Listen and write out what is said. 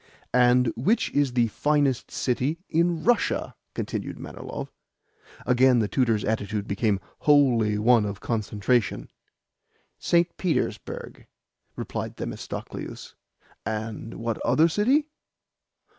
"And which is the finest city in Russia?" continued Manilov. Again the tutor's attitude became wholly one of concentration. "St. Petersburg," replied Themistocleus. "And what other city?"